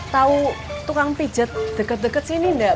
tahu tukang pijat deket deket sini enggak